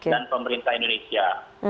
dan pemerintah indonesia